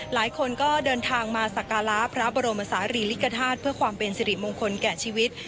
หลายคนก็เดินทางมาสักการะพระบรมศาลีลิกธาตุเพื่อความเป็นสิริมงคลแก่ชีวิต